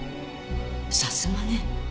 さすがね。